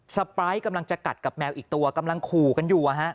ไปกำลังจะกัดกับแมวอีกตัวกำลังขู่กันอยู่